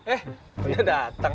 eh udah datang